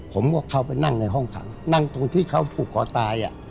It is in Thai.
ผมก็เข้าไปนั่งในห้องขังนั่งตรงที่เขาผูกคอตาย